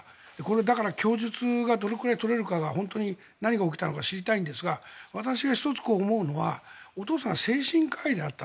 だから供述がどれくらい取れるかが本当に何が起きたのか知りたいんですが私が１つ思うのはお父さんが精神科医だった。